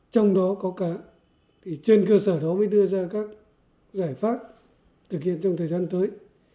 trong đó có cá thì trên cơ sở đó mới đưa ra các giải pháp thực hiện trong thời gian tới